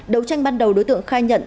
đấu tranh ban đầu đối tượng khai nhận